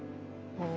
うん。